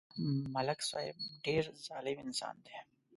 ملک صاحب ډېر ظالم انسان دی